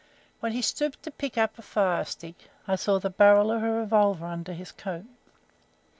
When he stooped to pick up a firestick I saw the barrel of a revolver under his coat.